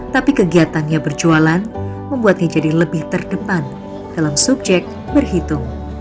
tapi kegiatannya berjualan membuatnya jadi lebih terdepan dalam subjek berhitung